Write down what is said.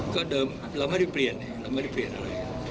ก็เดิมเราไม่ได้เปลี่ยนเราไม่ได้เปลี่ยนอะไร